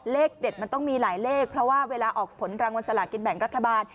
เลขเด็ดมันต้องมีหลายเลขเพราะว่าเวลาออกผลรางวัลสลากินแบ่งรัฐบาล